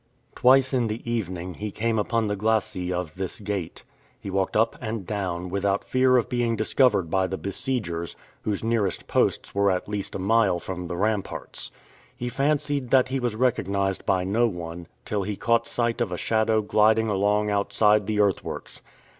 Twice in the evening he came upon the glacis of this gate. He walked up and down, without fear of being discovered by the besiegers, whose nearest posts were at least a mile from the ramparts. He fancied that he was recognized by no one, till he caught sight of a shadow gliding along outside the earthworks.